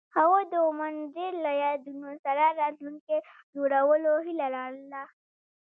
هغوی د منظر له یادونو سره راتلونکی جوړولو هیله لرله.